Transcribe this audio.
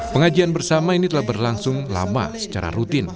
pengajian bersama ini telah berlangsung lama secara rutin